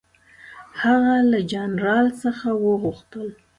هغه له جنرال څخه وغوښتل.